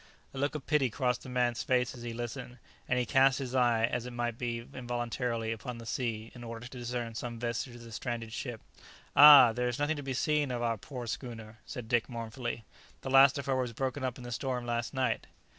A look of pity crossed the man's face as he listened, and he cast his eye, as it might be involuntarily, upon the sea, in order to discern some vestige of the stranded ship. "Ah! there is nothing to be seen of our poor schooner!" said Dick mournfully; "the last of her was broken up in the storm last night."